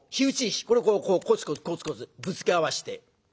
これをこうこうコツコツコツコツぶつけ合わせて火花出ます。